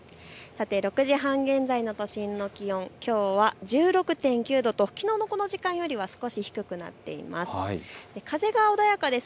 ６時半現在の都心の気温きょうは１６．９度ときのうのこの時間よりも少し低くなっています。